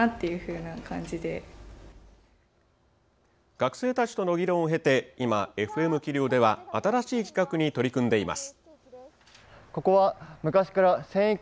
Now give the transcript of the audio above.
学生たちとの議論を経て今、ＦＭ桐生では新しい企画に取り組んでいます。